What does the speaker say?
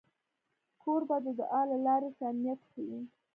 کوربه د دعا له لارې صمیمیت ښيي.